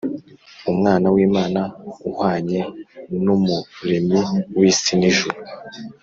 Umwana w’Imana, Uhwanye n’Umuremyi w’isi n’ijuru